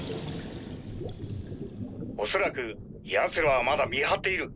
恐らく奴らはまだ見張っている。